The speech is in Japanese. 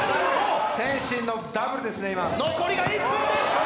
天心のダブルですね、今。